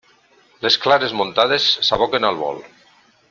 Les clares muntades s'aboquen al bol.